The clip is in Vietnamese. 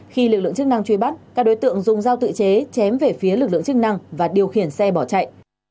khi lực lượng chức năng truy bắt các đối tượng dùng dao tự chế chém về phía lực lượng chức năng và điều khiển xe bỏ chạy